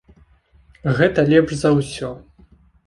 Гэта лепш за ўсё.